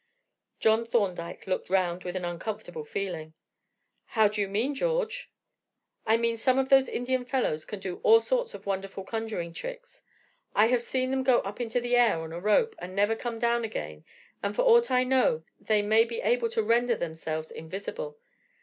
John Thorndyke looked round with an uncomfortable feeling. "How do you mean, George?" "I mean some of those Indian fellows can do all sorts of wonderful conjuring tricks. I have seen them go up into the air on a rope and never come down again, and for aught I know they may be able to render themselves invisible.